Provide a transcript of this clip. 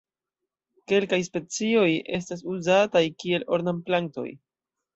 Kelkaj specioj estas uzataj kiel ornamplantoj.